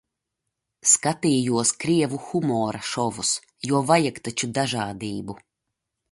Skatījos krievu humora šovus, jo vajag taču dažādību.